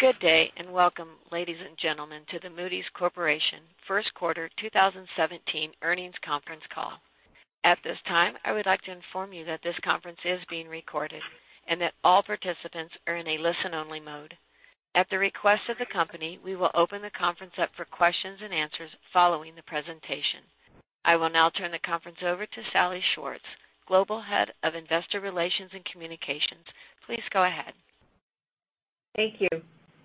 Good day, welcome, ladies and gentlemen, to the Moody's Corporation First Quarter 2017 Earnings Conference Call. At this time, I would like to inform you that this conference is being recorded, that all participants are in a listen-only mode. At the request of the company, we will open the conference up for questions and answers following the presentation. I will now turn the conference over to Salli Schwartz, Global Head of Investor Relations and Communications. Please go ahead. Thank you.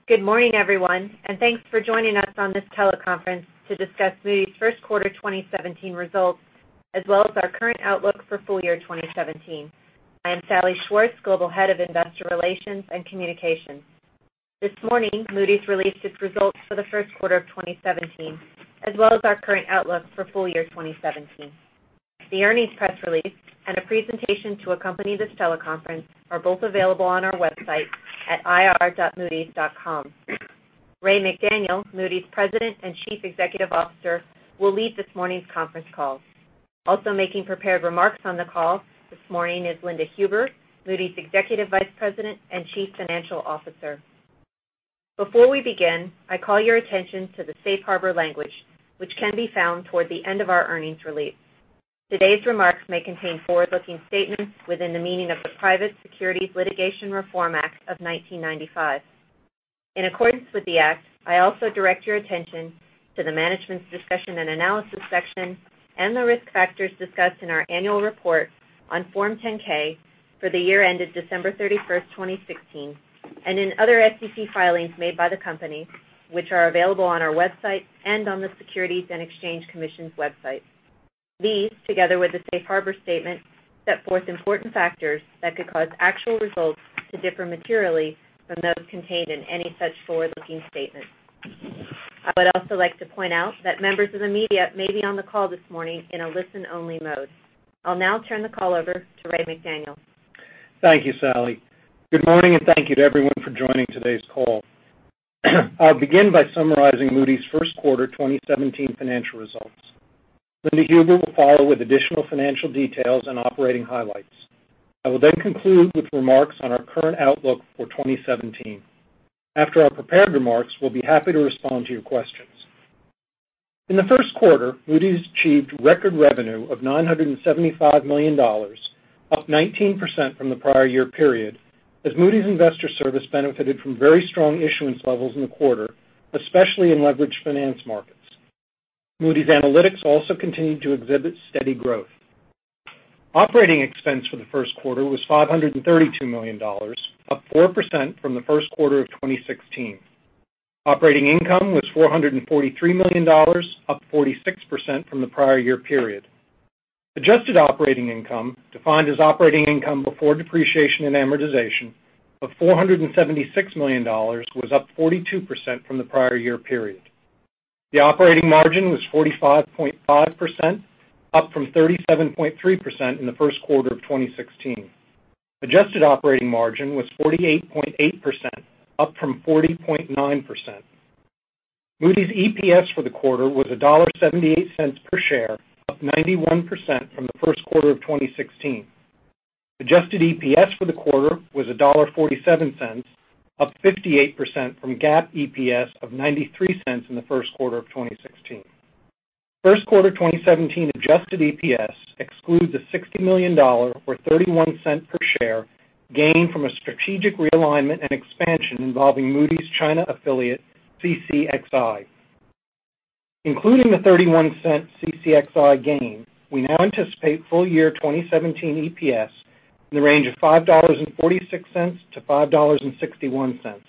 Good morning, everyone, thanks for joining us on this teleconference to discuss Moody's first quarter 2017 results, as well as our current outlook for full year 2017. I am Salli Schwartz, Global Head of Investor Relations and Communications. This morning, Moody's released its results for the first quarter of 2017, as well as our current outlook for full year 2017. The earnings press release and a presentation to accompany this teleconference are both available on our website at ir.moodys.com. Ray McDaniel, Moody's President and Chief Executive Officer, will lead this morning's conference call. Also making prepared remarks on the call this morning is Linda Huber, Moody's Executive Vice President and Chief Financial Officer. Before we begin, I call your attention to the safe harbor language, which can be found toward the end of our earnings release. Today's remarks may contain forward-looking statements within the meaning of the Private Securities Litigation Reform Act of 1995. In accordance with the act, I also direct your attention to the Management's Discussion and Analysis section and the risk factors discussed in our annual report on Form 10-K for the year ended December 31st, 2016, and in other SEC filings made by the company, which are available on our website and on the Securities and Exchange Commission's website. These, together with the safe harbor statement, set forth important factors that could cause actual results to differ materially from those contained in any such forward-looking statements. I would also like to point out that members of the media may be on the call this morning in a listen-only mode. I'll now turn the call over to Ray McDaniel. Thank you, Salli. Good morning, thank you to everyone for joining today's call. I'll begin by summarizing Moody's first quarter 2017 financial results. Linda Huber will follow with additional financial details and operating highlights. I will then conclude with remarks on our current outlook for 2017. After our prepared remarks, we'll be happy to respond to your questions. In the first quarter, Moody's achieved record revenue of $975 million, up 19% from the prior year period, as Moody's Investors Service benefited from very strong issuance levels in the quarter, especially in leveraged finance markets. Moody's Analytics also continued to exhibit steady growth. Operating expense for the first quarter was $532 million, up 4% from the first quarter of 2016. Operating income was $443 million, up 46% from the prior year period. Adjusted operating income, defined as operating income before depreciation and amortization, of $476 million, was up 42% from the prior year period. The operating margin was 45.5%, up from 37.3% in the first quarter of 2016. Adjusted operating margin was 48.8%, up from 40.9%. Moody's EPS for the quarter was $1.78 per share, up 91% from the first quarter of 2016. Adjusted EPS for the quarter was $1.47, up 58% from GAAP EPS of $0.93 in the first quarter of 2016. First quarter 2017 adjusted EPS excludes a $60 million, or $0.31 per share, gain from a strategic realignment and expansion involving Moody's China affiliate, CCXI. Including the $0.31 CCXI gain, we now anticipate full year 2017 EPS in the range of $5.46-$5.61.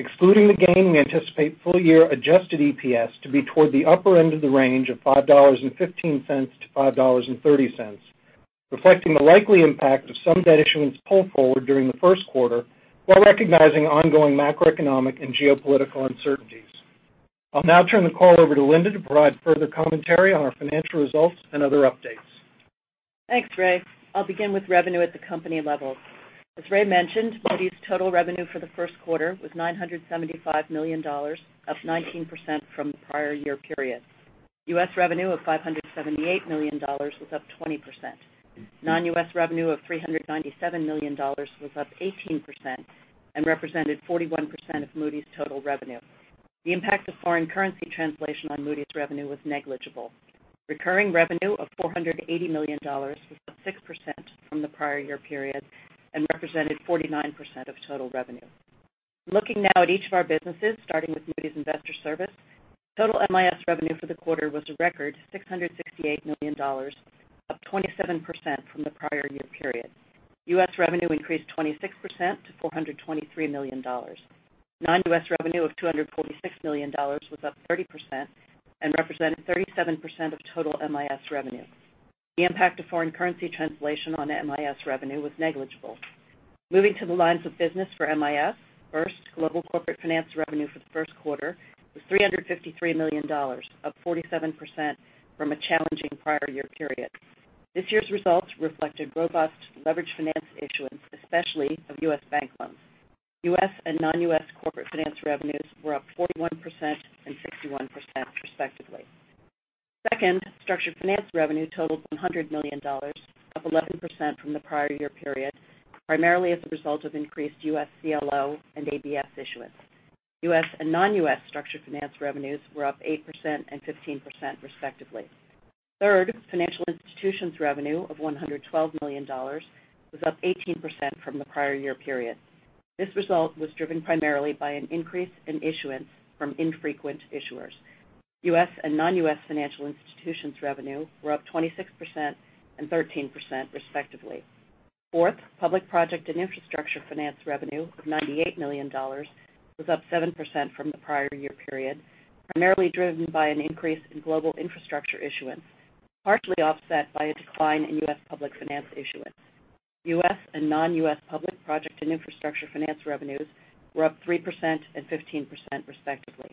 Excluding the gain, we anticipate full year adjusted EPS to be toward the upper end of the range of $5.15-$5.30, reflecting the likely impact of some debt issuance pulled forward during the first quarter, while recognizing ongoing macroeconomic and geopolitical uncertainties. I'll now turn the call over to Linda to provide further commentary on our financial results and other updates. Thanks, Ray. I'll begin with revenue at the company level. As Ray mentioned, Moody's total revenue for the first quarter was $975 million, up 19% from the prior year period. U.S. revenue of $578 million was up 20%. Non-U.S. revenue of $397 million was up 18% and represented 41% of Moody's total revenue. The impact of foreign currency translation on Moody's revenue was negligible. Recurring revenue of $480 million was up 6% from the prior year period and represented 49% of total revenue. Looking now at each of our businesses, starting with Moody's Investors Service, total MIS revenue for the quarter was a record $668 million, up 27% from the prior year period. U.S. revenue increased 26% to $423 million. Non-U.S. revenue of $246 million was up 30% and represented 37% of total MIS revenue. The impact of foreign currency translation on MIS revenue was negligible. Moving to the lines of business for MIS. First, global corporate finance revenue for the first quarter was $353 million, up 47% from a challenging prior year period. This year's results reflected robust leveraged finance issuance, especially of U.S. bank loans. U.S. and non-U.S. corporate finance revenues were up 41% and 61% respectively. Second, structured finance revenue totaled $100 million, up 11% from the prior year period, primarily as a result of increased U.S. CLO and ABS issuance. U.S. and non-U.S. structured finance revenues were up 8% and 15% respectively. Third, financial institutions revenue of $112 million was up 18% from the prior year period. This result was driven primarily by an increase in issuance from infrequent issuers. U.S. and non-U.S. financial institutions revenue were up 26% and 13% respectively. Fourth, public project and infrastructure finance revenue of $98 million was up 7% from the prior year period, primarily driven by an increase in global infrastructure issuance, partially offset by a decline in U.S. public finance issuance. U.S. and non-U.S. public project and infrastructure finance revenues were up 3% and 15% respectively.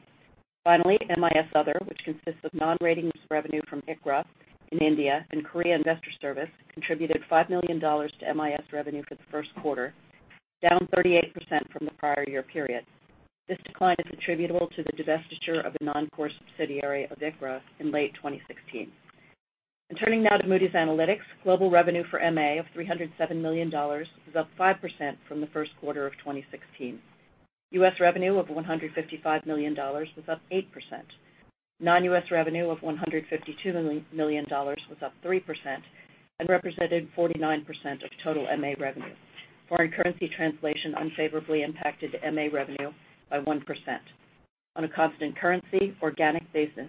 Finally, MIS Other, which consists of non-ratings revenue from ICRA in India and Korea Investors Service contributed $5 million to MIS revenue for the first quarter, down 38% from the prior year period. This decline is attributable to the divestiture of the non-core subsidiary of ICRA in late 2016. Turning now to Moody's Analytics, global revenue for MA of $307 million was up 5% from the first quarter of 2016. U.S. revenue of $155 million was up 8%. Non-U.S. revenue of $152 million was up 3% and represented 49% of total MA revenue. Foreign currency translation unfavorably impacted MA revenue by 1%. On a constant currency organic basis,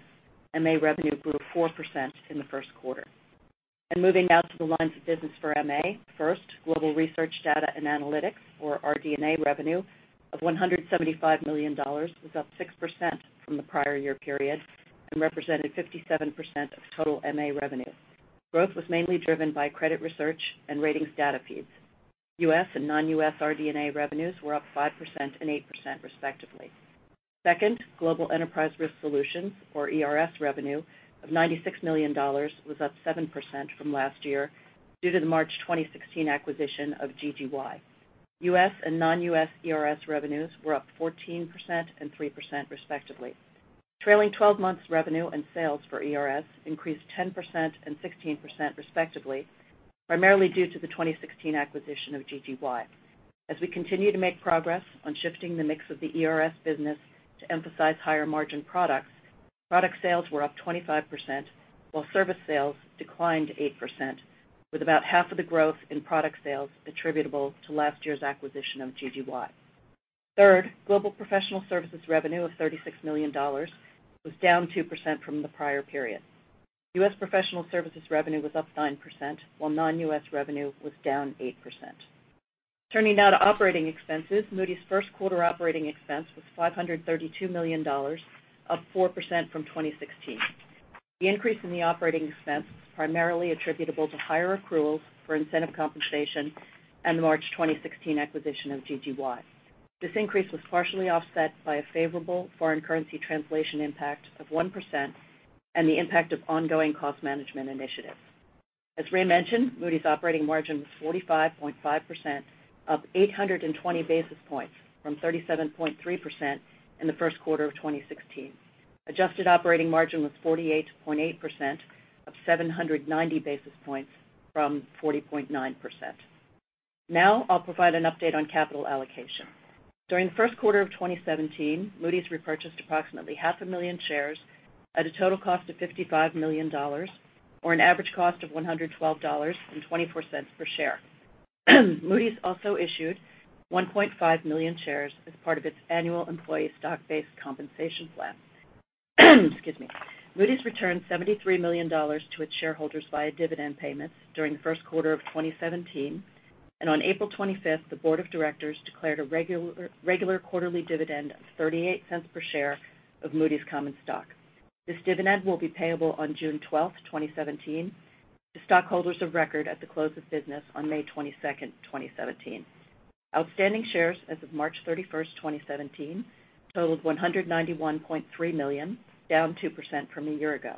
MA revenue grew 4% in the first quarter. Moving now to the lines of business for MA. First, global Research, Data and Analytics or RD&A revenue of $175 million was up 6% from the prior year period and represented 57% of total MA revenue. Growth was mainly driven by credit research and ratings data feeds. U.S. and non-U.S. RD&A revenues were up 5% and 8% respectively. Second, global Enterprise Risk Solutions or ERS revenue of $96 million was up 7% from last year due to the March 2016 acquisition of GGY. U.S. and non-U.S. ERS revenues were up 14% and 3% respectively. Trailing 12 months revenue and sales for ERS increased 10% and 16% respectively, primarily due to the 2016 acquisition of GGY. As we continue to make progress on shifting the mix of the ERS business to emphasize higher margin products, product sales were up 25%, while service sales declined 8%, with about half of the growth in product sales attributable to last year's acquisition of GGY. Third, global professional services revenue of $36 million was down 2% from the prior period. U.S. professional services revenue was up 9%, while non-U.S. revenue was down 8%. Turning now to operating expenses. Moody's first quarter operating expense was $532 million, up 4% from 2016. The increase in the operating expense primarily attributable to higher accruals for incentive compensation and the March 2016 acquisition of GGY. This increase was partially offset by a favorable foreign currency translation impact of 1% and the impact of ongoing cost management initiatives. As Ray mentioned, Moody's operating margin was 45.5%, up 820 basis points from 37.3% in the first quarter of 2016. Adjusted operating margin was 48.8%, up 790 basis points from 40.9%. Now I'll provide an update on capital allocation. During the first quarter of 2017, Moody's repurchased approximately half a million shares at a total cost of $55 million, or an average cost of $112.24 per share. Moody's also issued 1.5 million shares as part of its annual employee stock-based compensation plan. Moody's returned $73 million to its shareholders via dividend payments during the first quarter of 2017, on April 25th, the board of directors declared a regular quarterly dividend of $0.38 per share of Moody's common stock. This dividend will be payable on June 12th, 2017, to stockholders of record at the close of business on May 22nd, 2017. Outstanding shares as of March 31st, 2017, totaled 191.3 million, down 2% from a year ago.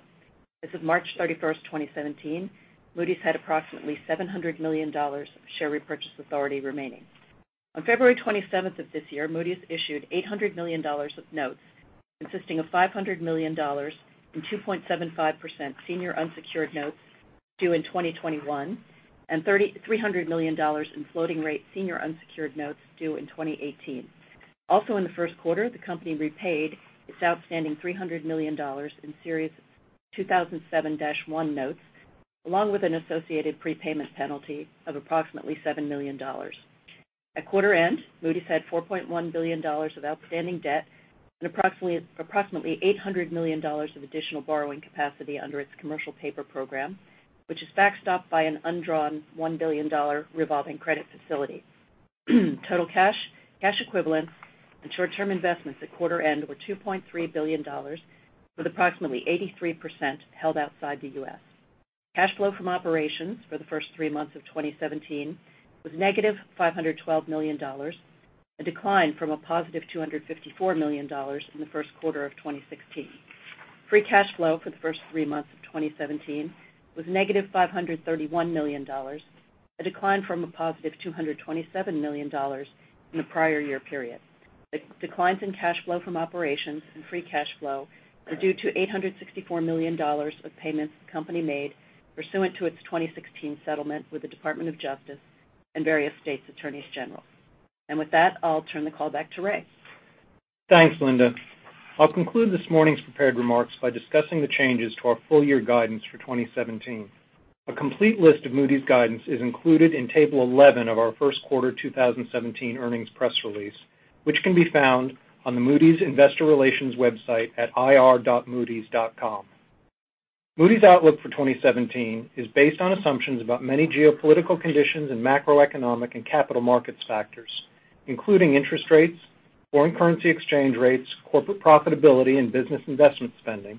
As of March 31st, 2017, Moody's had approximately $700 million of share repurchase authority remaining. On February 27th of this year, Moody's issued $800 million of notes, consisting of $500 million in 2.75% senior unsecured notes due in 2021 and $300 million in floating rate senior unsecured notes due in 2018. Also in the first quarter, the company repaid its outstanding $300 million in series 2007-1 notes, along with an associated prepayment penalty of approximately $7 million. At quarter end, Moody's had $4.1 billion of outstanding debt and approximately $800 million of additional borrowing capacity under its commercial paper program, which is backstopped by an undrawn $1 billion revolving credit facility. Total cash equivalents, and short-term investments at quarter end were $2.3 billion, with approximately 83% held outside the U.S. Cash flow from operations for the first three months of 2017 was negative $512 million, a decline from a positive $254 million in the first quarter of 2016. Free cash flow for the first three months of 2017 was negative $531 million, a decline from a positive $227 million in the prior year period. The declines in cash flow from operations and free cash flow are due to $864 million of payments the company made pursuant to its 2016 settlement with the Department of Justice and various state attorneys general. With that, I'll turn the call back to Ray. Thanks, Linda. I'll conclude this morning's prepared remarks by discussing the changes to our full year guidance for 2017. A complete list of Moody's guidance is included in Table 11 of our first quarter 2017 earnings press release, which can be found on the Moody's Investor Relations website at ir.moodys.com. Moody's outlook for 2017 is based on assumptions about many geopolitical conditions and macroeconomic and capital markets factors, including interest rates, foreign currency exchange rates, corporate profitability, and business investment spending,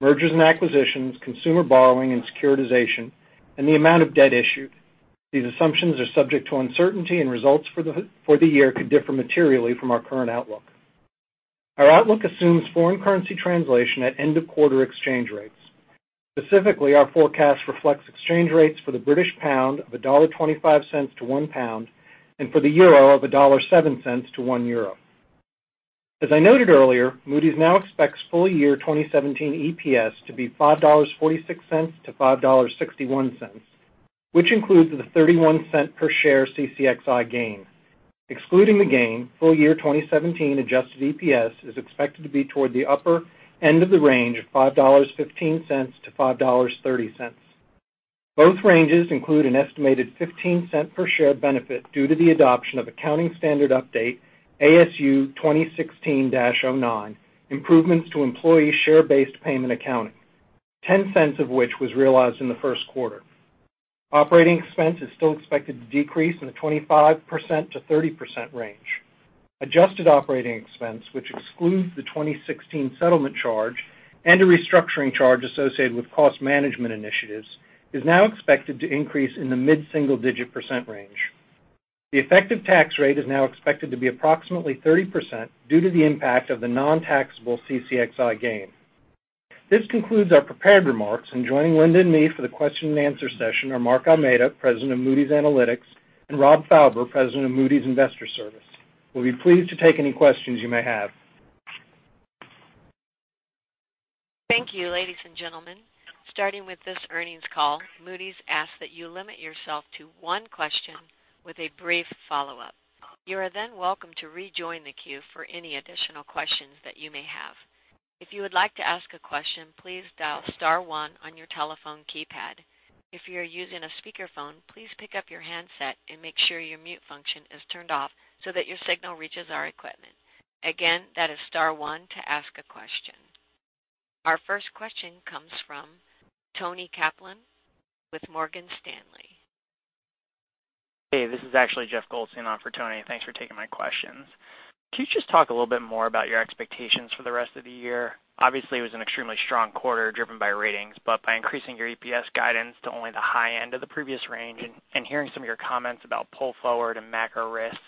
mergers and acquisitions, consumer borrowing and securitization, and the amount of debt issued. These assumptions are subject to uncertainty, results for the year could differ materially from our current outlook. Our outlook assumes foreign currency translation at end-of-quarter exchange rates. Specifically, our forecast reflects exchange rates for the British pound of $1.25 to £1 and for the euro of $1.07 to €1. As I noted earlier, Moody's now expects full-year 2017 EPS to be $5.46-$5.61, which includes the $0.31 per share CCXI gain. Excluding the gain, full-year 2017 adjusted EPS is expected to be toward the upper end of the range of $5.15-$5.30. Both ranges include an estimated $0.15 per share benefit due to the adoption of accounting standard update ASU 2016-09, Improvements to Employee Share-Based Payment Accounting, $0.10 of which was realized in the first quarter. Operating expense is still expected to decrease in the 25%-30% range. Adjusted operating expense, which excludes the 2016 settlement charge and a restructuring charge associated with cost management initiatives, is now expected to increase in the mid-single digit percent range. The effective tax rate is now expected to be approximately 30% due to the impact of the non-taxable CCXI gain. This concludes our prepared remarks. Joining Linda and me for the question and answer session are Mark Almeida, President of Moody's Analytics, and Rob Fauber, President of Moody's Investors Service. We will be pleased to take any questions you may have. Thank you, ladies and gentlemen. Starting with this earnings call, Moody's asks that you limit yourself to one question with a brief follow-up. You are then welcome to rejoin the queue for any additional questions that you may have. If you would like to ask a question, please dial star one on your telephone keypad. If you are using a speakerphone, please pick up your handset and make sure your mute function is turned off so that your signal reaches our equipment. Again, that is star one to ask a question. Our first question comes from Toni Kaplan with Morgan Stanley. Hey, this is actually Jeff Goldstein on for Toni. Thanks for taking my questions. Can you just talk a little bit more about your expectations for the rest of the year? Obviously, it was an extremely strong quarter driven by ratings, by increasing your EPS guidance to only the high end of the previous range and hearing some of your comments about pull forward and macro risks,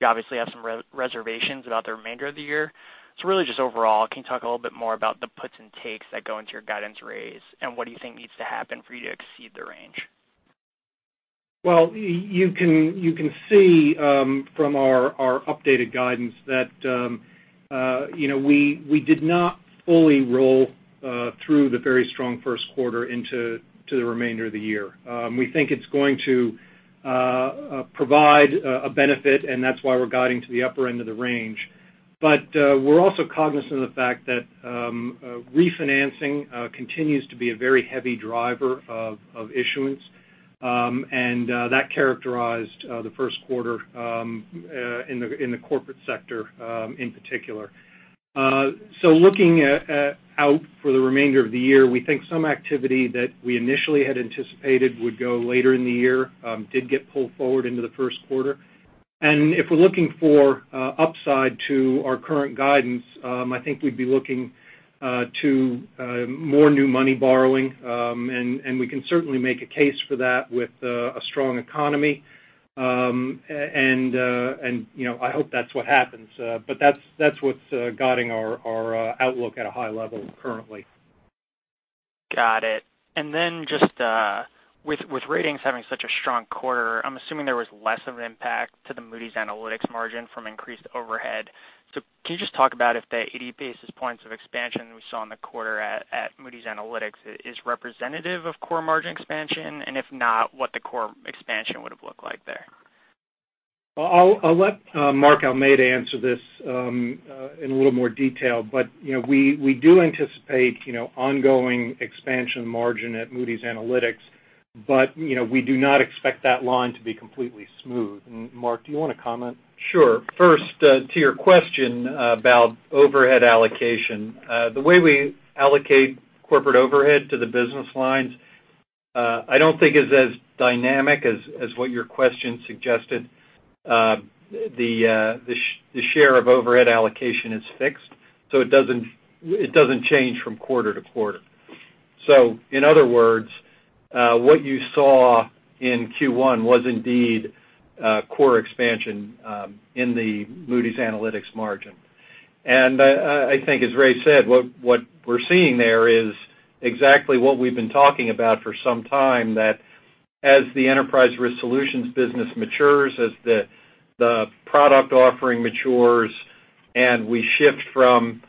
you obviously have some reservations about the remainder of the year. Really just overall, can you talk a little bit more about the puts and takes that go into your guidance raise, and what do you think needs to happen for you to exceed the range? Well, you can see from our updated guidance that we did not fully roll through the very strong first quarter into the remainder of the year. We think it's going to provide a benefit, and that's why we're guiding to the upper end of the range. We're also cognizant of the fact that refinancing continues to be a very heavy driver of issuance, and that characterized the first quarter in the corporate sector in particular. Looking out for the remainder of the year, we think some activity that we initially had anticipated would go later in the year did get pulled forward into the first quarter. If we're looking for upside to our current guidance, I think we'd be looking to more new money borrowing, and we can certainly make a case for that with a strong economy. I hope that's what happens. That's what's guiding our outlook at a high level currently. Got it. Just with ratings having such a strong quarter, I'm assuming there was less of an impact to the Moody's Analytics margin from increased overhead. Can you just talk about if the 80 basis points of expansion we saw in the quarter at Moody's Analytics is representative of core margin expansion, and if not, what the core expansion would've looked like there? I'll let Mark Almeida answer this in a little more detail, but we do anticipate ongoing expansion margin at Moody's Analytics, but we do not expect that line to be completely smooth. Mark, do you want to comment? Sure. First, to your question about overhead allocation, the way we allocate corporate overhead to the business lines I don't think is as dynamic as what your question suggested. The share of overhead allocation is fixed, so it doesn't change from quarter to quarter. In other words, what you saw in Q1 was indeed core expansion in the Moody's Analytics margin. I think as Ray said, what we're seeing there is exactly what we've been talking about for some time, that As the enterprise risk solutions business matures, as the product offering matures, we shift from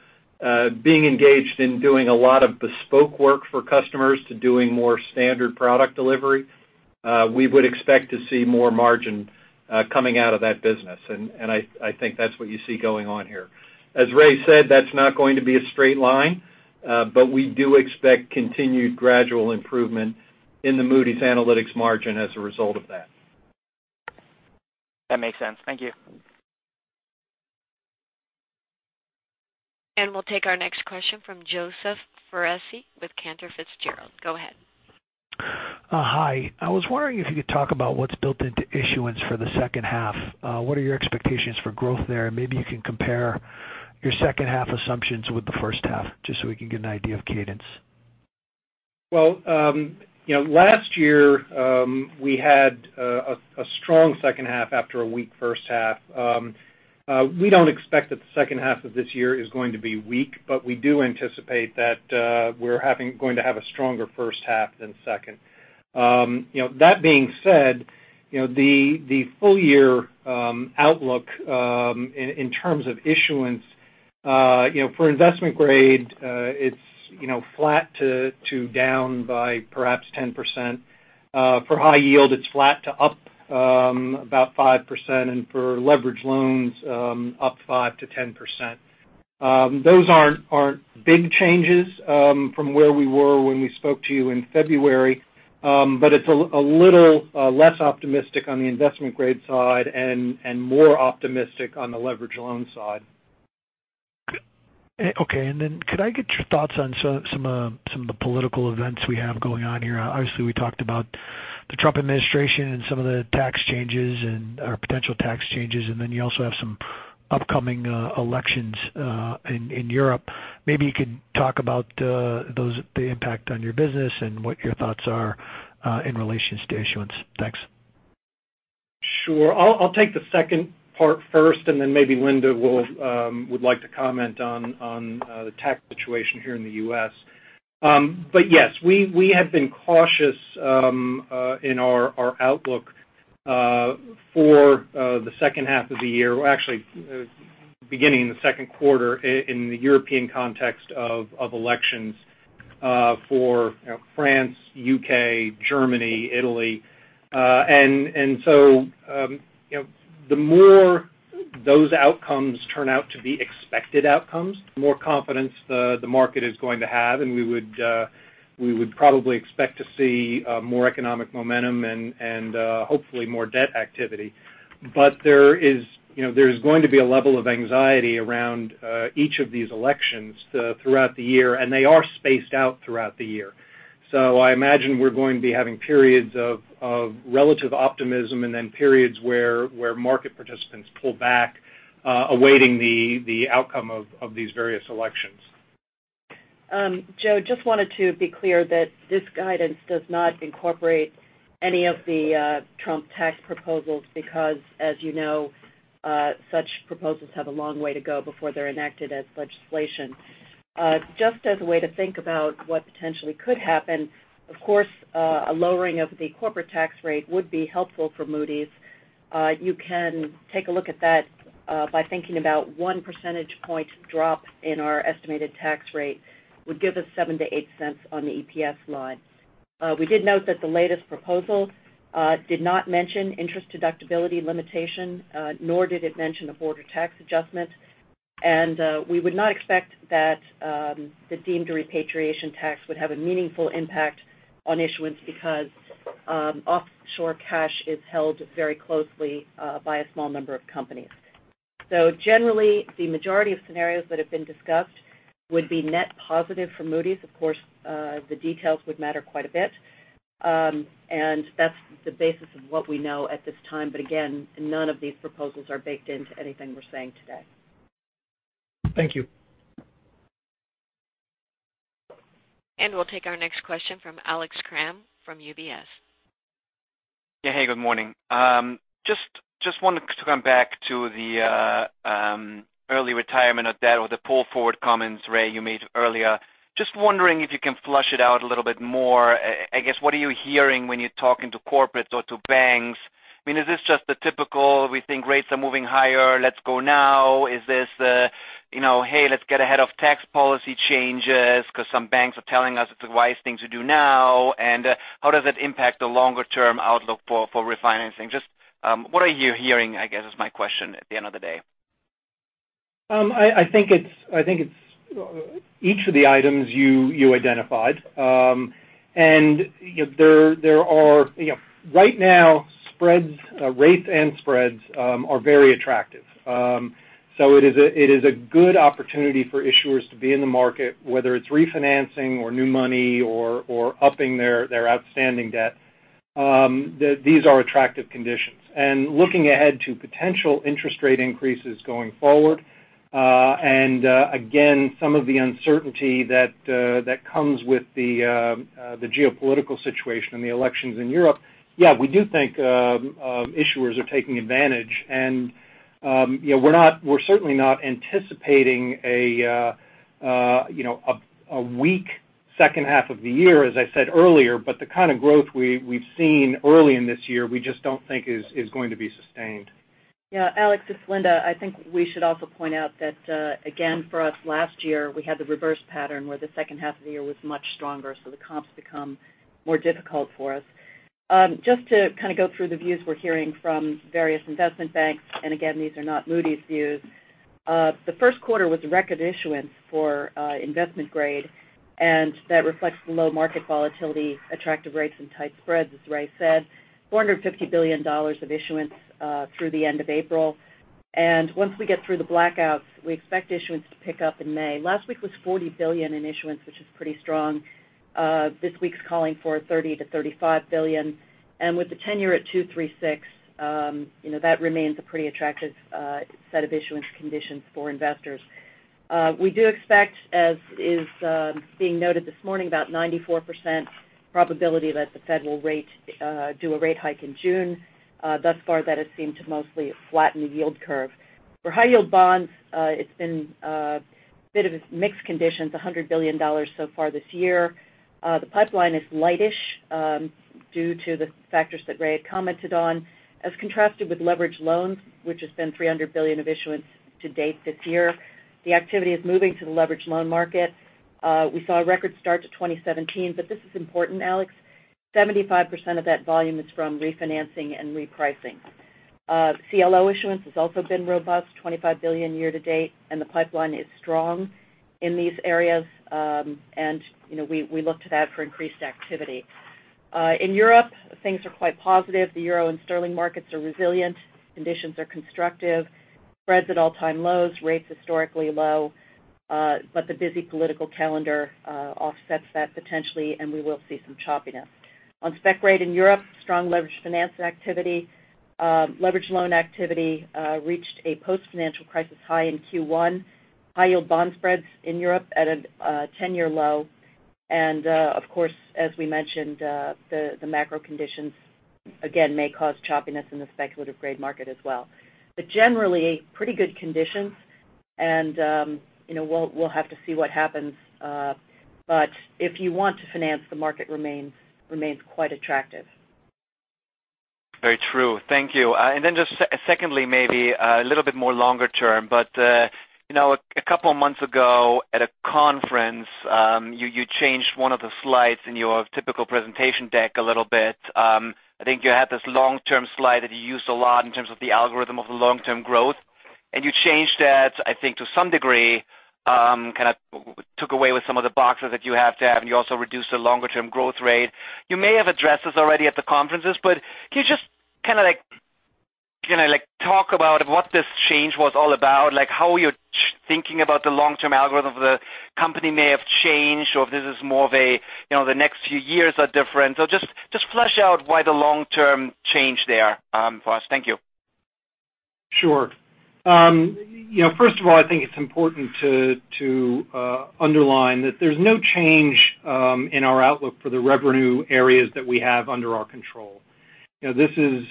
being engaged in doing a lot of bespoke work for customers to doing more standard product delivery, we would expect to see more margin coming out of that business. I think that's what you see going on here. As Ray said, that's not going to be a straight line, we do expect continued gradual improvement in the Moody's Analytics margin as a result of that. That makes sense. Thank you. We'll take our next question from Joseph Foresi with Cantor Fitzgerald. Go ahead. Hi. I was wondering if you could talk about what's built into issuance for the second half. What are your expectations for growth there? Maybe you can compare your second half assumptions with the first half, just so we can get an idea of cadence. Well, last year, we had a strong second half after a weak first half. We don't expect that the second half of this year is going to be weak, but we do anticipate that we're going to have a stronger first half than second. That being said, the full year outlook in terms of issuance, for investment grade it's flat to down by perhaps 10%. For high yield, it's flat to up about 5%, and for leverage loans, up 5%-10%. Those aren't big changes from where we were when we spoke to you in February, but it's a little less optimistic on the investment grade side and more optimistic on the leverage loan side. Okay. Could I get your thoughts on some of the political events we have going on here? Obviously, we talked about the Trump administration and some of the tax changes and/or potential tax changes. You also have some upcoming elections in Europe. Maybe you could talk about the impact on your business and what your thoughts are in relations to issuance. Thanks. Sure. I'll take the second part first, then maybe Linda would like to comment on the tax situation here in the U.S. Yes, we have been cautious in our outlook for the second half of the year. Well, actually beginning in the second quarter in the European context of elections for France, U.K., Germany, Italy. The more those outcomes turn out to be expected outcomes, the more confidence the market is going to have, and we would probably expect to see more economic momentum and hopefully more debt activity. There's going to be a level of anxiety around each of these elections throughout the year, and they are spaced out throughout the year. I imagine we're going to be having periods of relative optimism and then periods where market participants pull back, awaiting the outcome of these various elections. Joe, just wanted to be clear that this guidance does not incorporate any of the Trump tax proposals because, as you know, such proposals have a long way to go before they're enacted as legislation. Just as a way to think about what potentially could happen, of course, a lowering of the corporate tax rate would be helpful for Moody's. You can take a look at that by thinking about one percentage point drop in our estimated tax rate would give us $0.07-$0.08 on the EPS line. We did note that the latest proposal did not mention interest deductibility limitation, nor did it mention a border tax adjustment. And we would not expect that the deemed repatriation tax would have a meaningful impact on issuance because offshore cash is held very closely by a small number of companies. Generally, the majority of scenarios that have been discussed would be net positive for Moody's. Of course, the details would matter quite a bit. And that's the basis of what we know at this time. But again, none of these proposals are baked into anything we're saying today. Thank you. We'll take our next question from Alex Kramm from UBS. Yeah. Hey, good morning. Just wanted to come back to the early retirement of debt or the pull forward comments, Ray, you made earlier. Just wondering if you can flush it out a little bit more. I guess, what are you hearing when you're talking to corporates or to banks? I mean, is this just the typical, we think rates are moving higher, let's go now? Is this the, "Hey, let's get ahead of tax policy changes because some banks are telling us it's a wise thing to do now"? How does it impact the longer-term outlook for refinancing? Just what are you hearing, I guess, is my question at the end of the day. I think it's each of the items you identified. Right now, rates and spreads are very attractive. It is a good opportunity for issuers to be in the market, whether it's refinancing or new money or upping their outstanding debt. These are attractive conditions. Looking ahead to potential interest rate increases going forward, and again, some of the uncertainty that comes with the geopolitical situation and the elections in Europe, yeah, we do think issuers are taking advantage. We're certainly not anticipating a weak second half of the year, as I said earlier, but the kind of growth we've seen early in this year, we just don't think is going to be sustained. Yeah, Alex, it's Linda. I think we should also point out that again, for us last year, we had the reverse pattern where the second half of the year was much stronger, the comps become more difficult for us. Just to kind of go through the views we're hearing from various investment banks, and again, these are not Moody's views. The first quarter was a record issuance for investment grade, that reflects the low market volatility, attractive rates, and tight spreads, as Ray said. $450 billion of issuance through the end of April. Once we get through the blackouts, we expect issuance to pick up in May. Last week was $40 billion in issuance, which is pretty strong. This week's calling for $30 billion-$35 billion. With the 10-year at 236, that remains a pretty attractive set of issuance conditions for investors. We do expect, as is being noted this morning, about 94% probability that the Fed will do a rate hike in June. Thus far, that has seemed to mostly flatten the yield curve. For high yield bonds, it's been a bit of a mixed condition. It's $100 billion so far this year. The pipeline is lightish due to the factors that Ray had commented on, as contrasted with leveraged loans, which has been $300 billion of issuance to date this year. The activity is moving to the leveraged loan market. We saw a record start to 2017, this is important, Alex. 75% of that volume is from refinancing and repricing. CLO issuance has also been robust, $25 billion year to date, the pipeline is strong in these areas. We look to that for increased activity. In Europe, things are quite positive. The euro and sterling markets are resilient. Conditions are constructive. Spreads at all-time lows, rates historically low. The busy political calendar offsets that potentially, and we will see some choppiness. On spec grade in Europe, strong leveraged finance activity. Leveraged loan activity reached a post-financial crisis high in Q1. High-yield bond spreads in Europe at a 10-year low. Of course, as we mentioned, the macro conditions again may cause choppiness in the speculative grade market as well. Generally, pretty good conditions, and we'll have to see what happens. If you want to finance, the market remains quite attractive. Very true. Thank you. Secondly, maybe a little bit more longer term, a couple of months ago at a conference, you changed one of the slides in your typical presentation deck a little bit. I think you had this long-term slide that you used a lot in terms of the algorithm of the long-term growth. You changed that, I think, to some degree, kind of took away some of the boxes that you have to have, and you also reduced the longer-term growth rate. You may have addressed this already at the conferences, can you just kind of talk about what this change was all about? How you're thinking about the long-term algorithm the company may have changed, or if this is more of a the next few years are different. Just flesh out why the long-term change there for us. Thank you. Sure. First of all, I think it's important to underline that there's no change in our outlook for the revenue areas that we have under our control. This is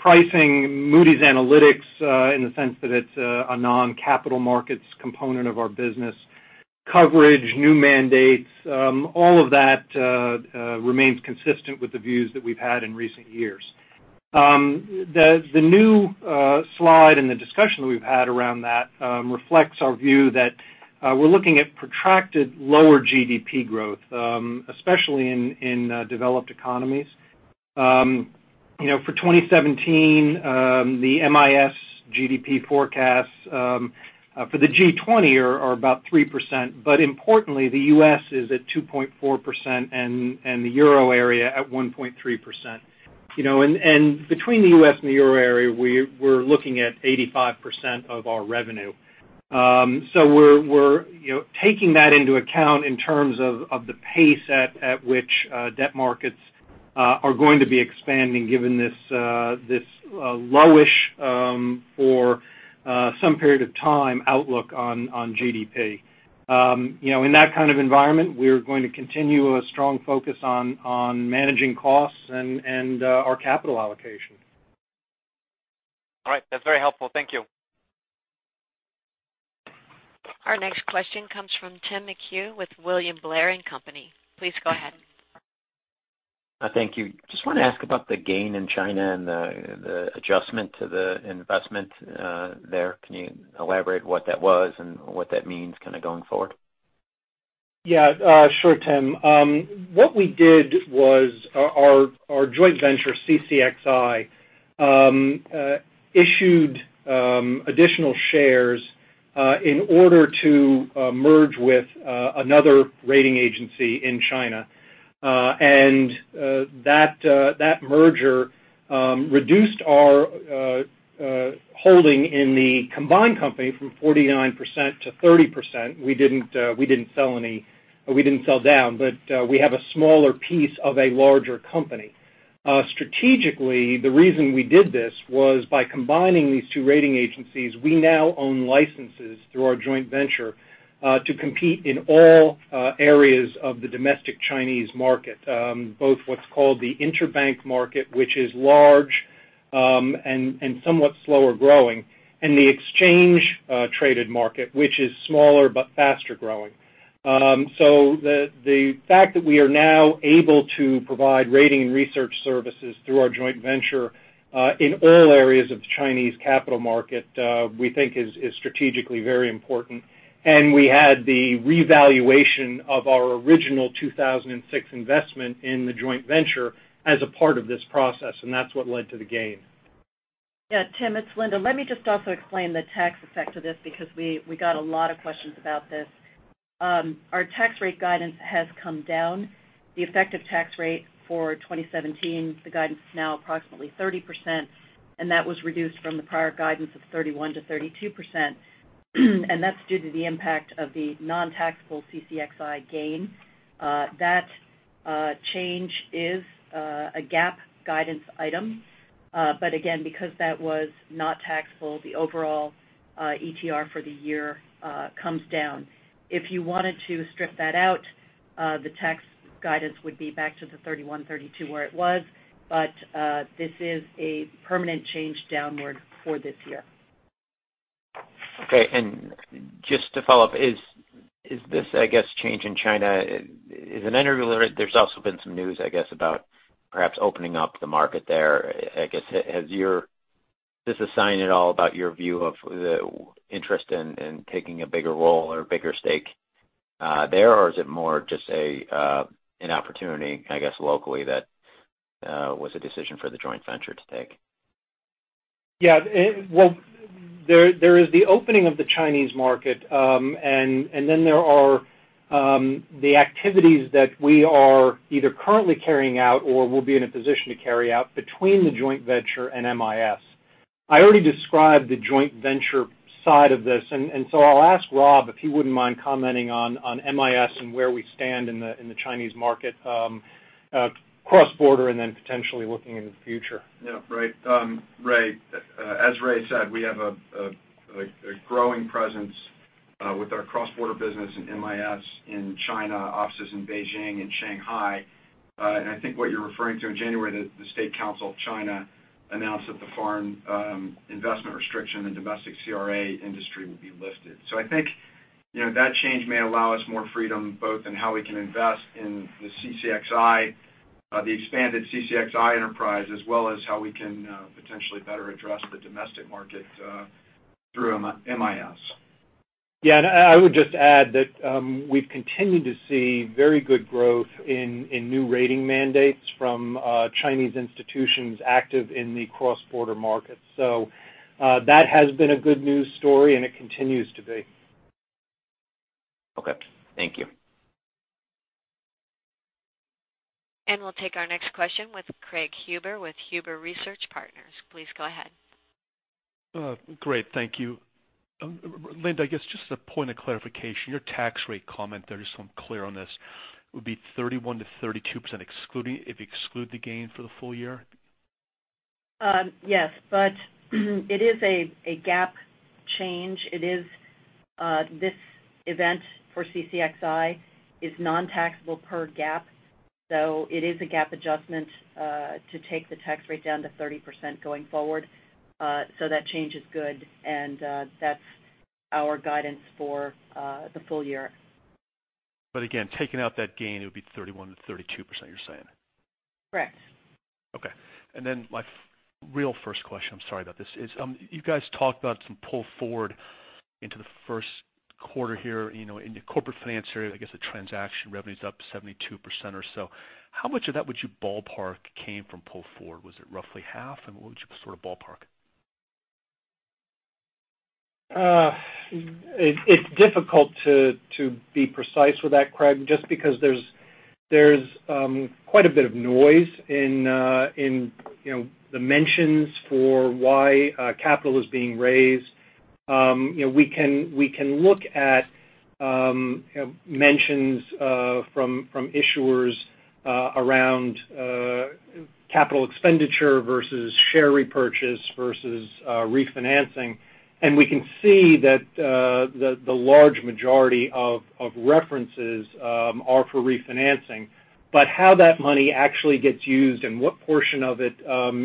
pricing Moody's Analytics in the sense that it's a non-capital markets component of our business. Coverage, new mandates, all of that remains consistent with the views that we've had in recent years. The new slide and the discussion that we've had around that reflects our view that we're looking at protracted lower GDP growth, especially in developed economies. For 2017, the MIS GDP forecasts for the G20 are about 3%, importantly, the U.S. is at 2.4% and the Euro area at 1.3%. Between the U.S. and the Euro area, we're looking at 85% of our revenue. We're taking that into account in terms of the pace at which debt markets are going to be expanding given this lowish for some period of time outlook on GDP. In that kind of environment, we're going to continue a strong focus on managing costs and our capital allocation. All right. That's very helpful. Thank you. Our next question comes from Tim McHugh with William Blair & Company. Please go ahead. Thank you. Just want to ask about the gain in China and the adjustment to the investment there. Can you elaborate what that was and what that means kind of going forward? Yeah. Sure, Tim. What we did was our joint venture, CCXI issued additional shares in order to merge with another rating agency in China. That merger reduced our holding in the combined company from 49% to 30%. We didn't sell down, but we have a smaller piece of a larger company. Strategically, the reason we did this was by combining these two rating agencies, we now own licenses through our joint venture to compete in all areas of the domestic Chinese market both what's called the interbank market, which is large and somewhat slower growing in the exchange traded market, which is smaller but faster growing. The fact that we are now able to provide rating and research services through our joint venture in all areas of the Chinese capital market, we think is strategically very important. We had the revaluation of our original 2006 investment in the joint venture as a part of this process, and that's what led to the gain. Yeah, Tim, it's Linda. Let me just also explain the tax effect of this because we got a lot of questions about this. Our tax rate guidance has come down. The effective tax rate for 2017, the guidance is now approximately 30%, and that was reduced from the prior guidance of 31%-32%. That's due to the impact of the non-taxable CCXI gain. That change is a GAAP guidance item. Again, because that was not taxable, the overall ETR for the year comes down. If you wanted to strip that out, the tax guidance would be back to the 31%-32% where it was. This is a permanent change downward for this year. Okay, just to follow up, is this change in China, there's also been some news about perhaps opening up the market there. I guess, is this a sign at all about your view of the interest in taking a bigger role or bigger stake there, or is it more just an opportunity locally that was a decision for the joint venture to take? Yeah. Well, there is the opening of the Chinese market, there are the activities that we are either currently carrying out or will be in a position to carry out between the joint venture and MIS. I already described the joint venture side of this, I'll ask Rob if he wouldn't mind commenting on MIS and where we stand in the Chinese market cross-border and then potentially looking into the future. Right. Ray, as Ray said, we have a growing presence with our cross-border business in MIS in China, offices in Beijing and Shanghai. I think what you're referring to in January, the State Council of China announced that the foreign investment restriction in domestic CRA industry would be lifted. I think that change may allow us more freedom both in how we can invest in the expanded CCXI enterprise as well as how we can potentially better address the domestic market through MIS. I would just add that we've continued to see very good growth in new rating mandates from Chinese institutions active in the cross-border markets. That has been a good news story and it continues to be. Thank you. We'll take our next question with Craig Huber with Huber Research Partners. Please go ahead. Great. Thank you. Linda, I guess just as a point of clarification, your tax rate comment there, just so I'm clear on this, would be 31%-32% if you exclude the gain for the full year? Yes, it is a GAAP change. This event for CCXI is non-taxable per GAAP. It is a GAAP adjustment to take the tax rate down to 30% going forward. That change is good and that's our guidance for the full year. Again, taking out that gain, it would be 31%-32%, you're saying? Correct. Okay. My real first question, I'm sorry about this, is you guys talked about some pull forward into the first quarter here in the corporate finance area. I guess the transaction revenue's up 72% or so. How much of that would you ballpark came from pull forward? Was it roughly half, and what would you sort of ballpark? It's difficult to be precise with that, Craig, just because there's quite a bit of noise in the mentions for why capital is being raised. We can look at mentions from issuers around capital expenditure versus share repurchase versus refinancing. We can see that the large majority of references are for refinancing. How that money actually gets used and what portion of it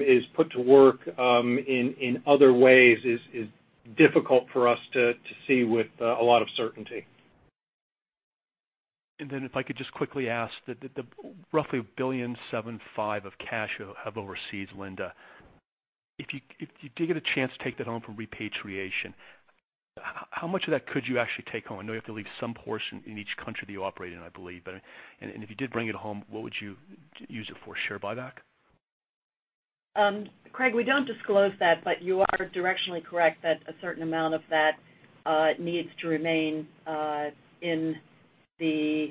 is put to work in other ways is difficult for us to see with a lot of certainty. If I could just quickly ask that the roughly $1.75 billion of cash you have overseas, Linda. If you did get a chance to take that home for repatriation, how much of that could you actually take home? I know you have to leave some portion in each country that you operate in, I believe. If you did bring it home, what would you use it for? Share buyback? Craig, we don't disclose that, but you are directionally correct that a certain amount of that needs to remain in the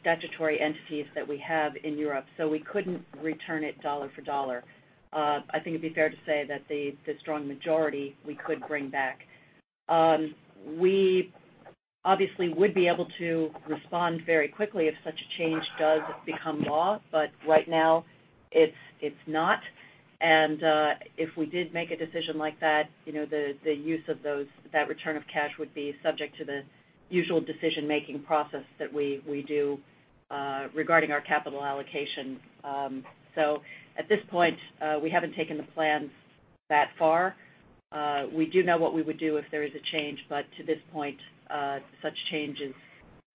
statutory entities that we have in Europe, so we couldn't return it dollar for dollar. I think it'd be fair to say that the strong majority we could bring back. We obviously would be able to respond very quickly if such a change does become law, but right now it's not. If we did make a decision like that, the use of that return of cash would be subject to the usual decision-making process that we do regarding our capital allocation. At this point, we haven't taken the plans that far. We do know what we would do if there is a change, but to this point, such change is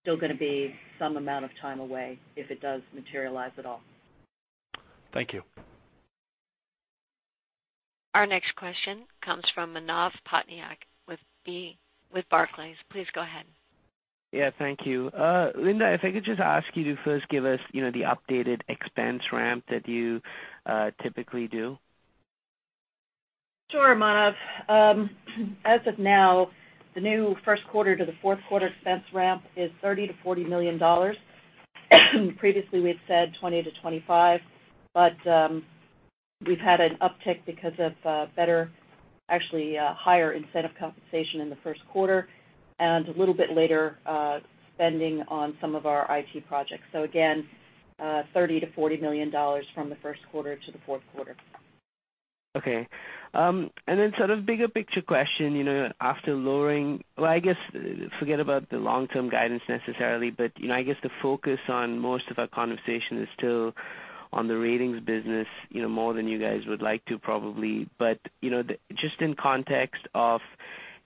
still going to be some amount of time away if it does materialize at all. Thank you. Our next question comes from Manav Patnaik with Barclays. Please go ahead. Yeah. Thank you. Linda, if I could just ask you to first give us the updated expense ramp that you typically do. Sure, Manav. As of now, the new first quarter to the fourth quarter expense ramp is $30 million-$40 million. Previously we had said $20 million-$25 million, but we've had an uptick because of better, actually higher incentive compensation in the first quarter, and a little bit later spending on some of our IT projects. Again, $30 million-$40 million from the first quarter to the fourth quarter. Okay. Then sort of bigger picture question, after lowering, well, I guess forget about the long-term guidance necessarily, but I guess the focus on most of our conversation is still on the ratings business more than you guys would like to probably. Just in context of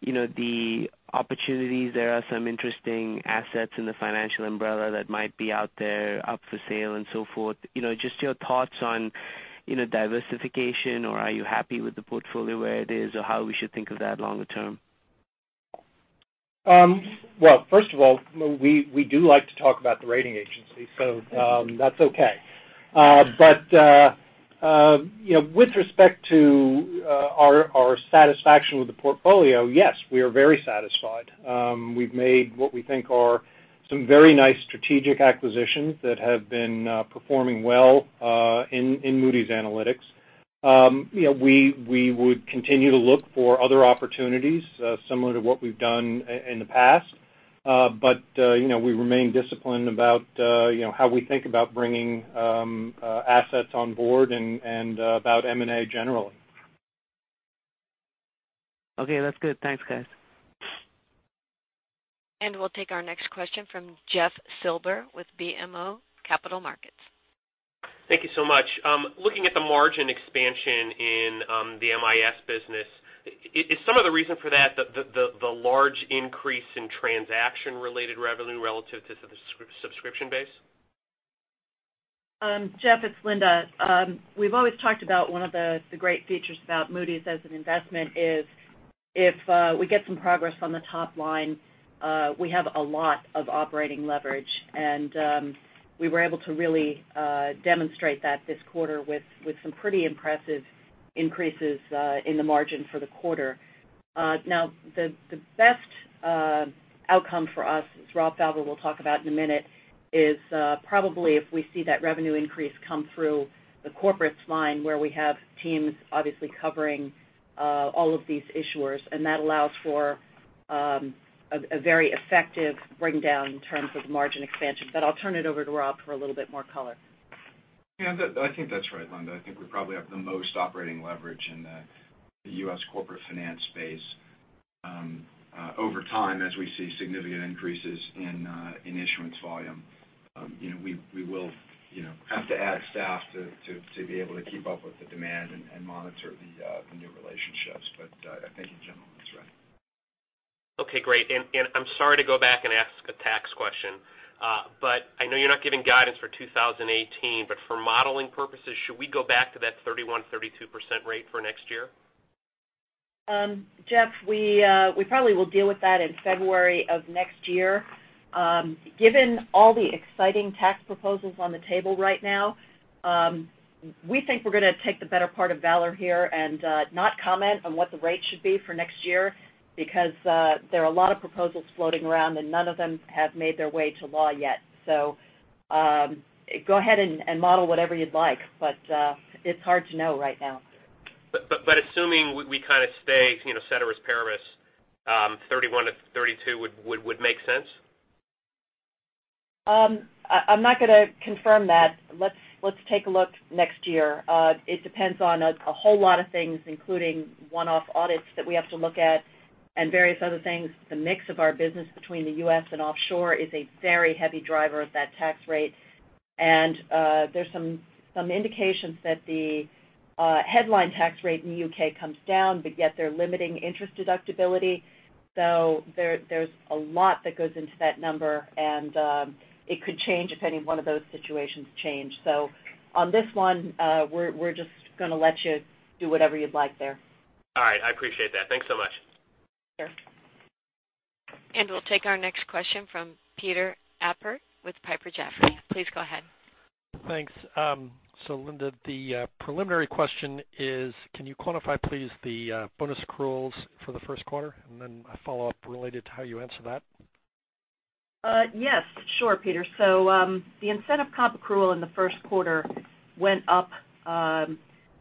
the opportunities, there are some interesting assets in the financial umbrella that might be out there up for sale and so forth. Just your thoughts on diversification, or are you happy with the portfolio where it is, or how we should think of that longer term? First of all, we do like to talk about the rating agency, that's okay. With respect to our satisfaction with the portfolio, yes, we are very satisfied. We've made what we think are some very nice strategic acquisitions that have been performing well in Moody's Analytics. We would continue to look for other opportunities similar to what we've done in the past. We remain disciplined about how we think about bringing assets on board and about M&A generally. That's good. Thanks, guys. We'll take our next question from Jeff Silber with BMO Capital Markets. Thank you so much. Looking at the margin expansion in the MIS business, is some of the reason for that the large increase in transaction-related revenue relative to subscription-based? Jeff, it's Linda. We've always talked about one of the great features about Moody's as an investment is if we get some progress on the top line, we have a lot of operating leverage. We were able to really demonstrate that this quarter with some pretty impressive increases in the margin for the quarter. The best outcome for us, as Rob Fauber will talk about in a minute, is probably if we see that revenue increase come through the corporates line where we have teams obviously covering all of these issuers, and that allows for a very effective bring down in terms of margin expansion. I'll turn it over to Rob for a little bit more color. Yeah, I think that's right, Linda. I think we probably have the most operating leverage in the U.S. corporate finance space. Over time, as we see significant increases in issuance volume we will have to add staff to be able to keep up with the demand and monitor the new relationships. I think in general that's right. Okay, great. I'm sorry to go back and ask a tax question, I know you're not giving guidance for 2018, for modeling purposes, should we go back to that 31%, 32% rate for next year? Jeff, we probably will deal with that in February of next year. Given all the exciting tax proposals on the table right now, we think we're going to take the better part of valor here and not comment on what the rate should be for next year because there are a lot of proposals floating around, none of them have made their way to law yet. Go ahead and model whatever you'd like, it's hard to know right now. Assuming we kind of stay ceteris paribus, 31%-32% would make sense? I'm not going to confirm that. Let's take a look next year. It depends on a whole lot of things, including one-off audits that we have to look at and various other things. The mix of our business between the U.S. and offshore is a very heavy driver of that tax rate. There's some indications that the headline tax rate in the U.K. comes down, but yet they're limiting interest deductibility. There's a lot that goes into that number, and it could change if any one of those situations change. On this one, we're just going to let you do whatever you'd like there. All right. I appreciate that. Thanks so much. Sure. We'll take our next question from Peter Appert with Piper Jaffray. Please go ahead. Thanks. Linda, the preliminary question is, can you quantify please the bonus accruals for the first quarter? A follow-up related to how you answer that. Yes. Sure, Peter. The incentive comp accrual in the first quarter went up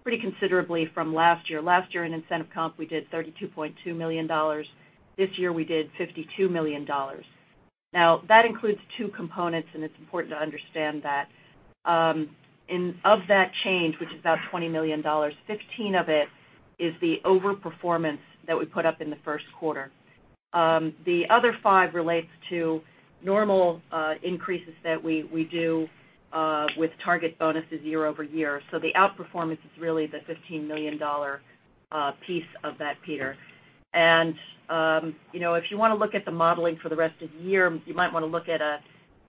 pretty considerably from last year. Last year in incentive comp, we did $32.2 million. This year we did $52 million. That includes two components, and it's important to understand that. Of that change, which is about $20 million, $15 of it is the over-performance that we put up in the first quarter. The other five relates to normal increases that we do with target bonuses year-over-year. The outperformance is really the $15 million piece of that, Peter. If you want to look at the modeling for the rest of the year, you might want to look at a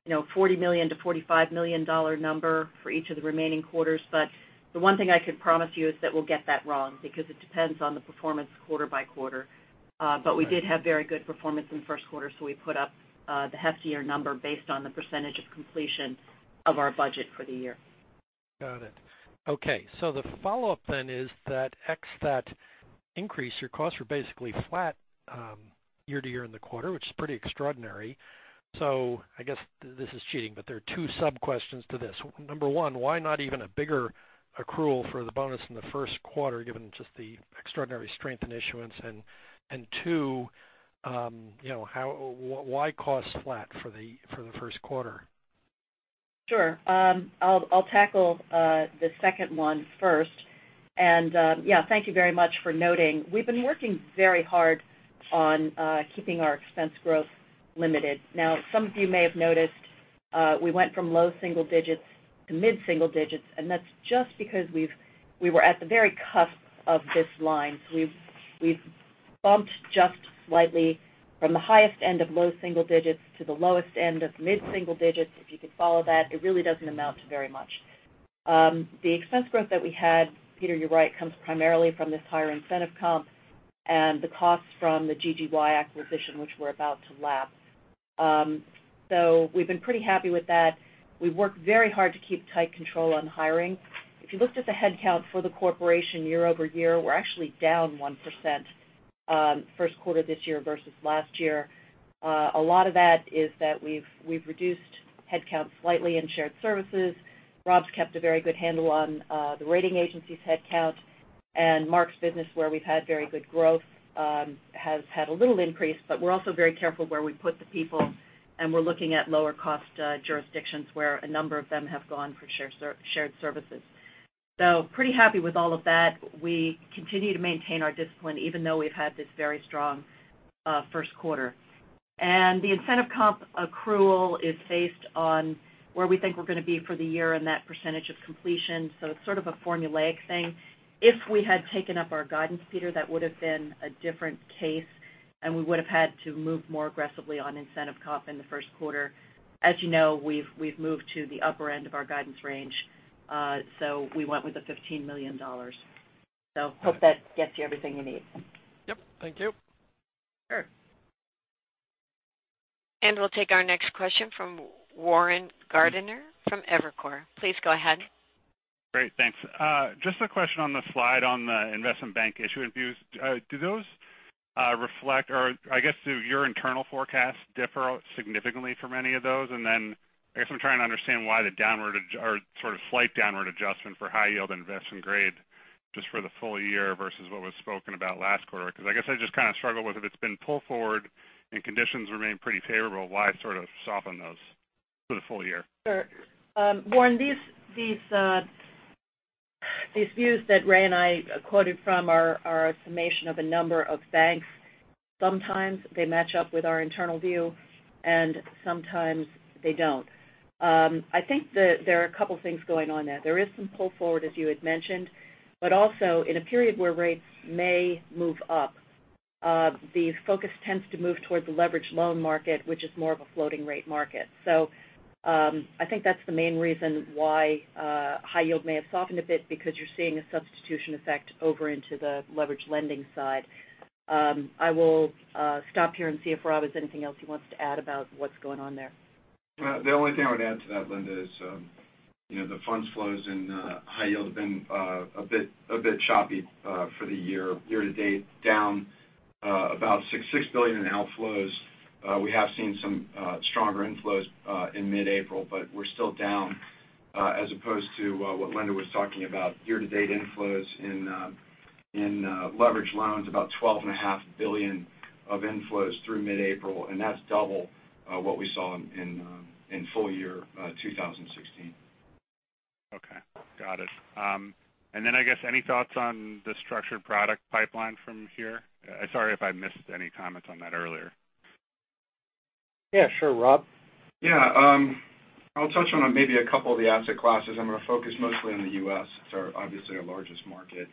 $40 million-$45 million number for each of the remaining quarters. The one thing I could promise you is that we'll get that wrong, because it depends on the performance quarter-by-quarter. We did have very good performance in the first quarter, we put up the heftier number based on the percentage of completion of our budget for the year. Got it. Okay. The follow-up then is that ex that increase, your costs were basically flat year-to-year in the quarter, which is pretty extraordinary. I guess this is cheating, but there are two sub-questions to this. Number one, why not even a bigger accrual for the bonus in the first quarter, given just the extraordinary strength in issuance? Two, why cost flat for the first quarter? Sure. I'll tackle the second one first. Yeah, thank you very much for noting. We've been working very hard on keeping our expense growth limited. Some of you may have noticed we went from low single digits to mid-single digits, and that's just because we were at the very cusp of this line. We've bumped just slightly from the highest end of low single digits to the lowest end of mid-single digits, if you could follow that. It really doesn't amount to very much. The expense growth that we had, Peter, you're right, comes primarily from this higher incentive comp and the cost from the GGY acquisition, which we're about to lap. We've been pretty happy with that. We've worked very hard to keep tight control on hiring. If you looked at the headcount for the corporation year-over-year, we're actually down 1% first quarter this year versus last year. A lot of that is that we've reduced headcount slightly in shared services. Rob's kept a very good handle on the rating agencies' headcount. Mark's business, where we've had very good growth, has had a little increase, but we're also very careful where we put the people, and we're looking at lower cost jurisdictions where a number of them have gone for shared services. Pretty happy with all of that. We continue to maintain our discipline, even though we've had this very strong first quarter. The incentive comp accrual is based on where we think we're going to be for the year and that percentage of completion. It's sort of a formulaic thing. If we had taken up our guidance, Peter, that would have been a different case, we would have had to move more aggressively on incentive comp in the first quarter. As you know, we've moved to the upper end of our guidance range. We went with the $15 million. Hope that gets you everything you need. Yep. Thank you. Sure. We'll take our next question from Warren Gardiner from Evercore. Please go ahead. Great. Thanks. Just a question on the slide on the investment bank issue and views. Do those reflect, or I guess, do your internal forecasts differ significantly from any of those? I guess I'm trying to understand why the sort of slight downward adjustment for high yield investment grade just for the full year versus what was spoken about last quarter, because I guess I just kind of struggle with if it's been pulled forward and conditions remain pretty favorable, why sort of soften those for the full year? Sure. Warren Gardiner, these views that Ray and I quoted from are a summation of a number of banks. Sometimes they match up with our internal view, and sometimes they don't. I think that there are a couple things going on there. There is some pull forward, as you had mentioned, but also in a period where rates may move up, the focus tends to move towards the leverage loan market, which is more of a floating rate market. I think that's the main reason why high yield may have softened a bit because you're seeing a substitution effect over into the leverage lending side. I will stop here and see if Rob has anything else he wants to add about what's going on there. The only thing I would add to that, Linda, is the funds flows in high yield have been a bit choppy for the year. Year to date down about $6 billion in outflows. We have seen some stronger inflows in mid-April, we're still down as opposed to what Linda was talking about year to date inflows in leverage loans about $12.5 billion of inflows through mid-April, that's double what we saw in full year 2016. Okay. Got it. I guess any thoughts on the structured product pipeline from here? Sorry if I missed any comments on that earlier. Yeah, sure. Rob? I'll touch on maybe a couple of the asset classes. I'm going to focus mostly on the U.S. It's obviously our largest market.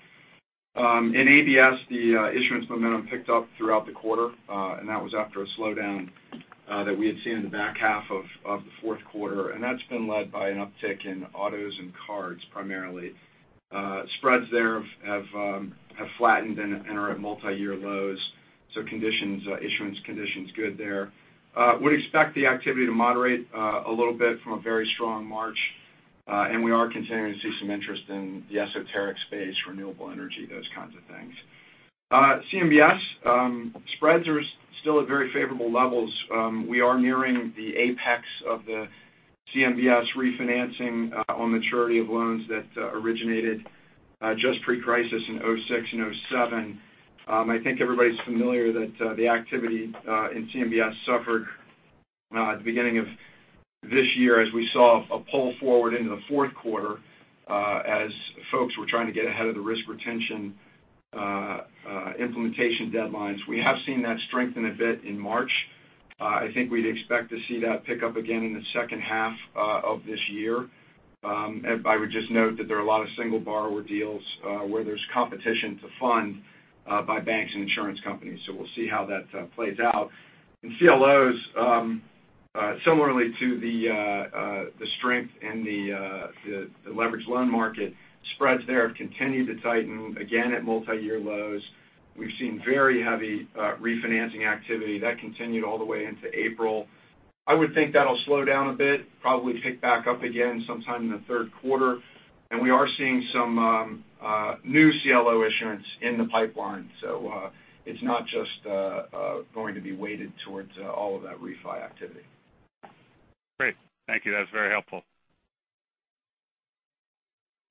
In ABS, the issuance momentum picked up throughout the quarter, that was after a slowdown that we had seen in the back half of the fourth quarter, that's been led by an uptick in autos and cards, primarily. Spreads there have flattened and are at multi-year lows. Issuance condition's good there. Would expect the activity to moderate a little bit from a very strong March. We are continuing to see some interest in the esoteric space, renewable energy, those kinds of things. CMBS spreads are still at very favorable levels. We are nearing the apex of the CMBS refinancing on maturity of loans that originated just pre-crisis in 2006 and 2007. I think everybody's familiar that the activity in CMBS suffered at the beginning of this year, as we saw a pull forward into the fourth quarter, as folks were trying to get ahead of the risk retention implementation deadlines. We have seen that strengthen a bit in March. I think we'd expect to see that pick up again in the second half of this year. I would just note that there are a lot of single borrower deals where there's competition to fund by banks and insurance companies. We'll see how that plays out. In CLOs, similarly to the strength in the leverage loan market, spreads there have continued to tighten, again at multi-year lows. We've seen very heavy refinancing activity. That continued all the way into April. I would think that'll slow down a bit, probably pick back up again sometime in the third quarter. We are seeing some new CLO issuance in the pipeline, so it's not just going to be weighted towards all of that refi activity. Great. Thank you. That was very helpful.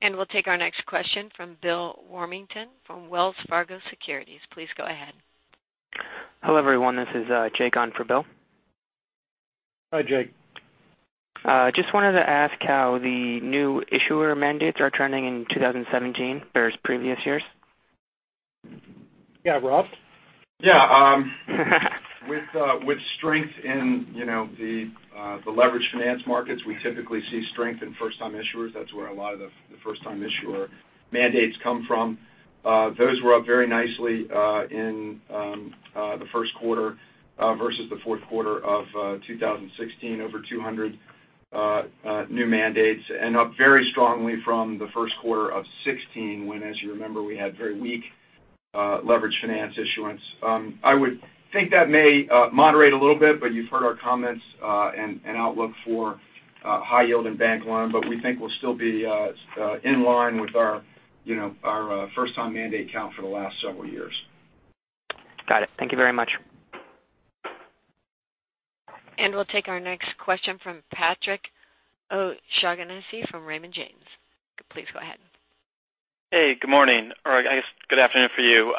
We'll take our next question from Bill Warmington from Wells Fargo Securities. Please go ahead. Hello, everyone. This is Jake on for Bill. Hi, Jake. Just wanted to ask how the new issuer mandates are trending in 2017 versus previous years. Yeah, Rob? Yeah. With strength in the leverage finance markets, we typically see strength in first-time issuers. That's where a lot of the first-time issuer mandates come from. Those were up very nicely in the first quarter versus the fourth quarter of 2016. Over 200 new mandates, and up very strongly from the first quarter of 2016, when, as you remember, we had very weak leverage finance issuance. I would think that may moderate a little bit, but you've heard our comments and outlook for high yield and bank loan, but we think we'll still be in line with our first-time mandate count for the last several years. Got it. Thank you very much. We'll take our next question from Patrick O'Shaughnessy from Raymond James. Please go ahead. Hey, good morning. I guess good afternoon for you.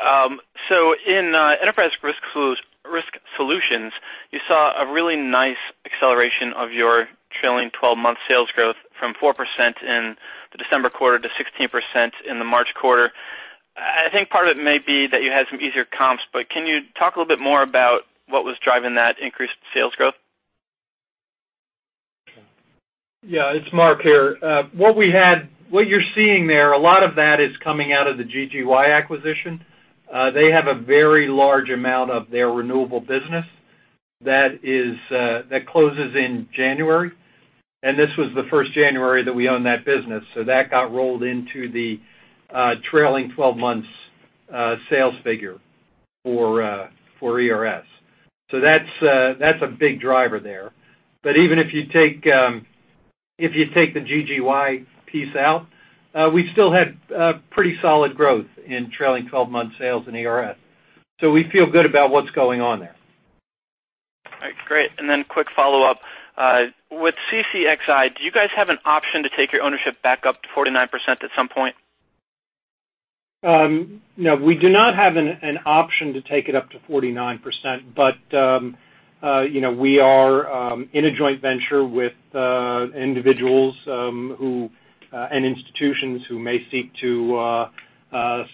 In Enterprise Risk Solutions, you saw a really nice acceleration of your trailing 12 months sales growth from 4% in the December quarter to 16% in the March quarter. I think part of it may be that you had some easier comps, can you talk a little bit more about what was driving that increased sales growth? Yeah, it's Mark here. What you're seeing there, a lot of that is coming out of the GGY acquisition. They have a very large amount of their renewable business that closes in January, this was the first January that we owned that business. That got rolled into the trailing 12 months sales figure for ERS. That's a big driver there. Even if you take the GGY piece out, we still had pretty solid growth in trailing 12-month sales in ERS. We feel good about what's going on there. All right, great. Then quick follow-up. With CCXI, do you guys have an option to take your ownership back up to 49% at some point? No, we do not have an option to take it up to 49%, we are in a joint venture with individuals and institutions who may seek to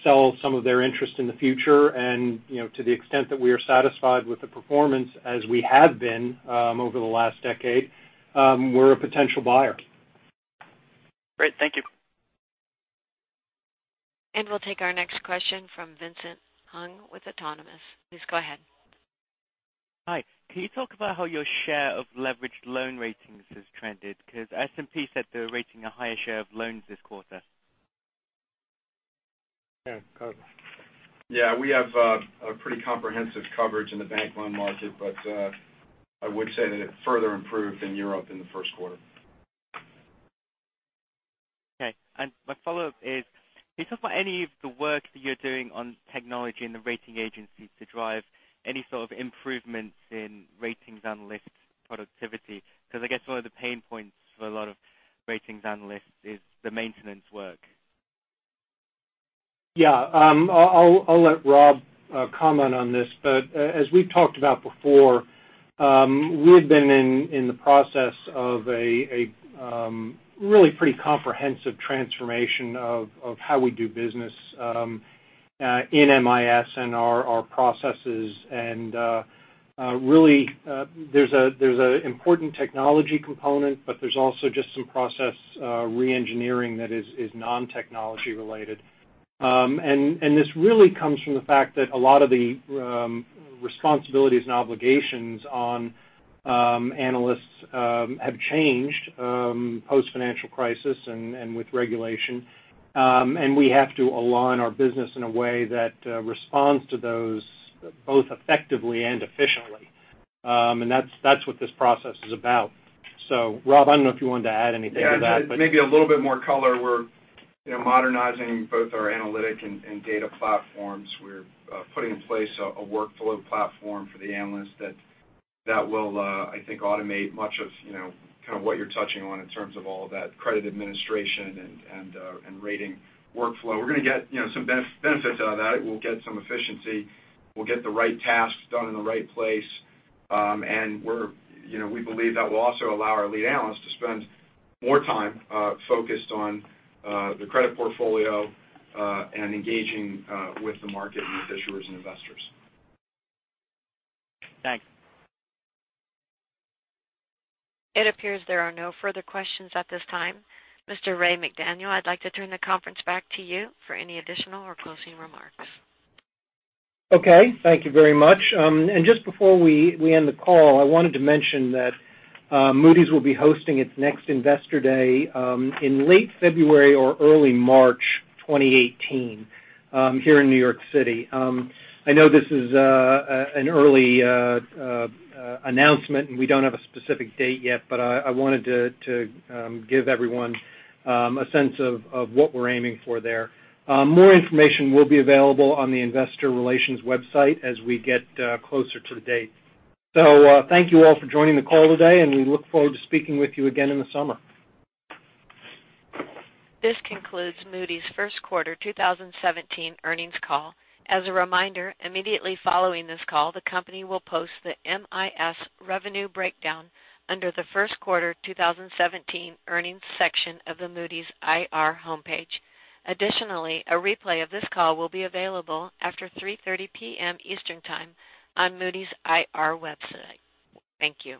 sell some of their interest in the future. To the extent that we are satisfied with the performance as we have been over the last decade, we're a potential buyer. Great. Thank you. We'll take our next question from Vincent Hung with Autonomous. Please go ahead. Hi. Can you talk about how your share of leveraged loan ratings has trended? S&P said they're rating a higher share of loans this quarter. Yeah, go ahead. Yeah, we have a pretty comprehensive coverage in the bank loan market, but I would say that it further improved in Europe in the first quarter. Okay. My follow-up is, can you talk about any of the work that you're doing on technology in the rating agencies to drive any sort of improvements in ratings analyst productivity? I guess one of the pain points for a lot of ratings analysts is the maintenance work. I'll let Rob comment on this, as we've talked about before, we've been in the process of a really pretty comprehensive transformation of how we do business in MIS and our processes. Really, there's an important technology component, but there's also just some process reengineering that is non-technology related. This really comes from the fact that a lot of the responsibilities and obligations on analysts have changed post-financial crisis and with regulation. We have to align our business in a way that responds to those both effectively and efficiently. That's what this process is about. Rob, I don't know if you wanted to add anything to that. Maybe a little bit more color. We're modernizing both our analytic and data platforms. We're putting in place a workflow platform for the analysts that will, I think, automate much of what you're touching on in terms of all of that credit administration and rating workflow. We're going to get some benefits out of that. We'll get some efficiency. We'll get the right tasks done in the right place. We believe that will also allow our lead analysts to spend more time focused on the credit portfolio and engaging with the market and with issuers and investors. Thanks. It appears there are no further questions at this time. Mr. Ray McDaniel, I'd like to turn the conference back to you for any additional or closing remarks. Thank you very much. Just before we end the call, I wanted to mention that Moody's will be hosting its next Investor Day in late February or early March 2018 here in New York City. I know this is an early announcement, we don't have a specific date yet, I wanted to give everyone a sense of what we're aiming for there. More information will be available on the investor relations website as we get closer to the date. Thank you all for joining the call today, we look forward to speaking with you again in the summer. This concludes Moody's first quarter 2017 earnings call. As a reminder, immediately following this call, the company will post the MIS revenue breakdown under the first quarter 2017 earnings section of the Moody's IR homepage. Additionally, a replay of this call will be available after 3:30 P.M. Eastern Time on Moody's IR website. Thank you.